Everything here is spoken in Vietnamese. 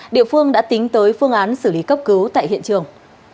địa phương đã tính tới phương án xử lý cấp cứu tại hiện trường